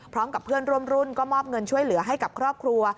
พร้อมกับเพื่อนร่วมรุ่นก็มอบเงินช่วยเหลือให้กับครอบครัว